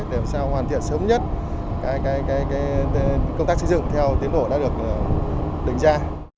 để làm sao hoàn thiện sớm nhất công tác xây dựng theo tiến độ đã được đánh giá